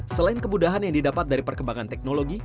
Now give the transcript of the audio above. selain kemudahan yang didapat dari perkembangan teknologi